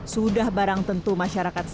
sudah barang tentu masyarakatnya